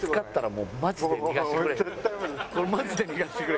これマジで逃がしてくれへんで。